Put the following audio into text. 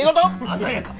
鮮やか。